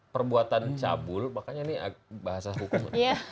perbuatan cabul makanya ini bahasa hukum